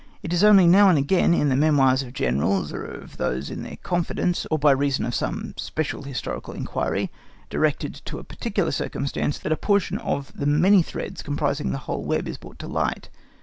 It is only now and again, in the memoirs of Generals or of those in their confidence, or by reason of some special historical inquiry directed to a particular circumstance, that a portion of the many threads composing the whole web is brought to light.